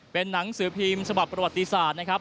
เป็นหนังสือพิมพ์ฉบับประวัติศาสตร์นะครับ